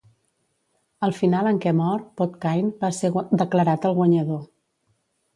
El final en què mor Podkayne va ser declarat el guanyador.